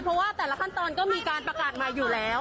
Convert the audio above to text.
เพราะว่าแต่ละขั้นตอนก็มีการประกาศมาอยู่แล้ว